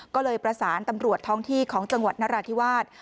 ก็เลยประสานตำรวจท้องที่ของจังหวัดนราธิวาส